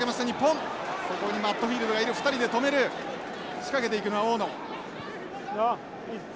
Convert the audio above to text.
仕掛けていくのは大野。